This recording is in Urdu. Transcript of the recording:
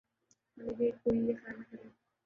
مطلب یہ ہے کہ کوئی یہ خیال نہ کرے